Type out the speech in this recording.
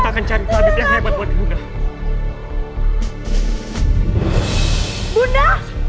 kita akan cari tabib yang hebat buat bunda